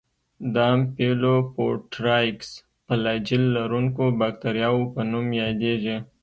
د امفیلوفوټرایکس فلاجیل لرونکو باکتریاوو په نوم یادیږي.